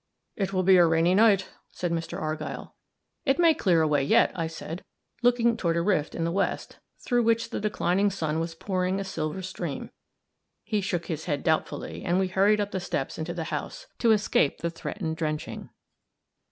"It will be a rainy night," said Mr. Argyll. "It may clear away yet," I said, looking toward a rift in the west, through which the declining sun was pouring a silver stream. He shook his head doubtfully, and we hurried up the steps into the house, to escape the threatened drenching.